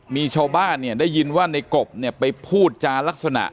มีชาวบ้านเนี่ยได้ยินว่าในกบเนี่ยไปพูดจารักษณะ